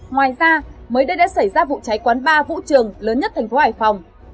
ngoài ra mới đây đã xảy ra vụ cháy quán bar vũ trường lớn nhất thành phố hải phòng